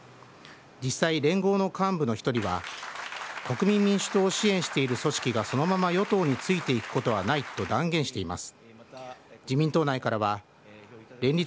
実際、連合の幹部の一人は、国民民主党を支援している組織がそのまま与党についていくことはないと断言しています。